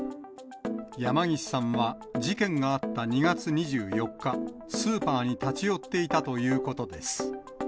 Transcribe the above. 山岸さんは、事件があった２月２４日、スーパーに立ち寄っていたということです。